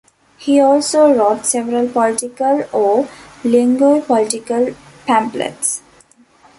He also wrote several political or linguo-political pamphlets.